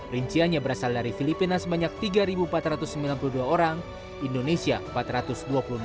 rinciannya berasal dari filipina sebanyak tiga ribu empat ratus sembilan puluh dua orang indonesia empat ratus dua puluh enam orang thailand satu ratus lima puluh tiga orang